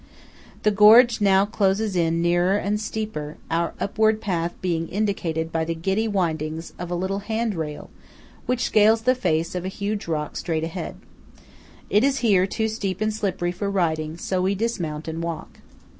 The gorge now closes in nearer and steeper, our upward path being indicated by the giddy windings of a little hand rail which scales the face of a huge rock straight ahead. It is here too steep and slippery for riding, so we dismount and walk.